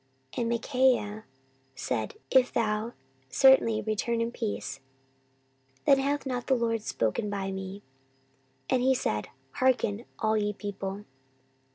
14:018:027 And Micaiah said, If thou certainly return in peace, then hath not the LORD spoken by me. And he said, Hearken, all ye people.